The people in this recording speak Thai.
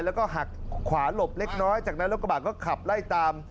แล้วก็หักขวาหลบเล็กน้อยจากนั้นรถกระบะก็ขับไล่ตาม